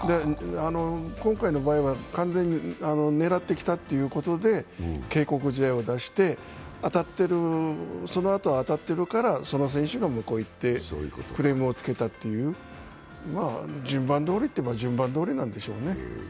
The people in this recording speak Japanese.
今回の場合は完全に狙ってきたということで警告試合を出して、そのあと当たってるからその選手が向こうへ行って、クレームをつけたという、順番どおりといえば順番どおりなんでしょうね。